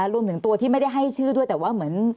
รวมถึงตัวที่ไม่ได้ให้ชื่อด้วยแต่ว่าเหมือน